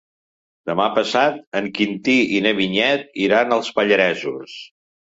Demà passat en Quintí i na Vinyet iran als Pallaresos.